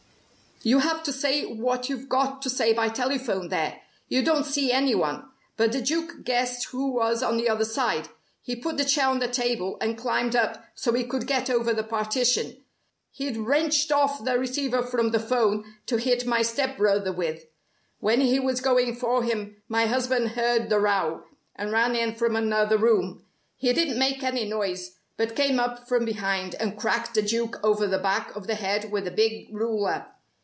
You have to say what you've got to say by telephone there. You don't see any one. But the Duke guessed who was on the other side. He put the chair on the table, and climbed up, so he could get over the partition. He'd wrenched off the receiver from the 'phone, to hit my step brother with. When he was going for him my husband heard the row, and ran in from another room. He didn't make any noise, but came up from behind and cracked the Duke over the back of the head with a big ruler.